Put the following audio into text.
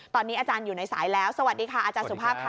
ตอนนี้อาจารย์อยู่ในสายแล้วสวัสดีค่ะอาจารย์สุภาพค่ะ